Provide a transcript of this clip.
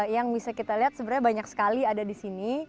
yang bisa kita lihat sebenarnya banyak sekali ada di sini